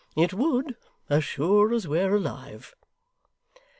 It would, as sure as we're alive!